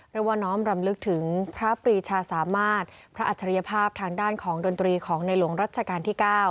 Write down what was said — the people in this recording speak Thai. ว่าน้อมรำลึกถึงพระปรีชาสามารถพระอัจฉริยภาพทางด้านของดนตรีของในหลวงรัชกาลที่๙